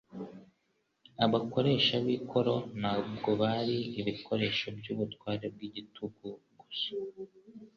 Abakoresha b'ikoro ntabwo bari ibikoresho by'ubutware bw'igitugu gusa,